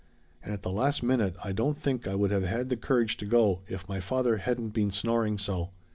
"And at the last minute I don't think I would have had the courage to go if my father hadn't been snoring so.